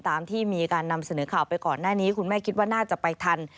ตามที่มีการนำเสนอข่าวไปก่อนหน้านี้คุณแม่คิดว่าน่าจะไปทัน